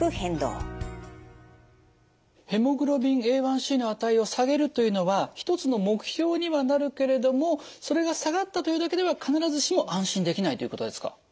ヘモグロビンＡ１ｃの値を下げるというのは一つの目標にはなるけれどもそれが下がったというだけでは必ずしも安心できないということですか？